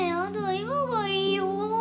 今がいいよ！